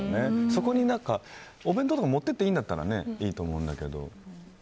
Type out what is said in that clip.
そこにお弁当とか持っていっていいならいいと思うけど。